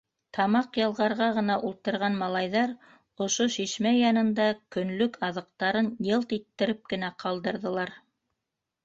Тамаҡ ялғарға ғына ултырған малайҙар ошо шишмә янында көнлөк аҙыҡтарын йылт иттереп кенә ҡалдырҙылар.